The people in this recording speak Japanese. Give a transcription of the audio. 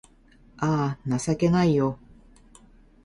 あぁ、情けないよ